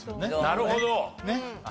なるほど！